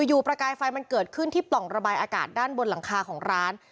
อยู่ประกายไฟมันเกิดขึ้นที่ปล่องระบายอากาศด้านบนหลังคาของร้าน